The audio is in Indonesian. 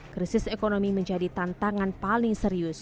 krisis ekonomi menjadi tantangan paling serius